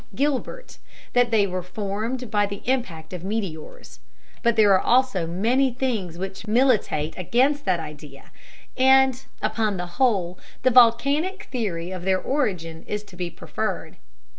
Gilbert, that they were formed by the impact of meteors; but there are also many things which militate against that idea, and, upon the whole, the volcanic theory of their origin is to be preferred.